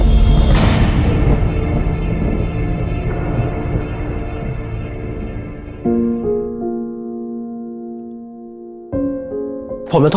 คำว่าจิตฟังว่าดี